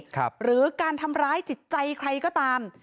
หรือการทำร้ายจิตใจใครก็ตาม